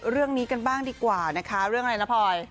เรื่องนี้กันบ้างดีกว่านะคะเรื่องอะไรนะพลอย